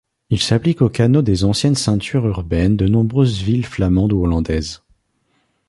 Il s'applique aux canaux des anciennes ceintures urbaines de nombreuses villes flamandes ou hollandaises.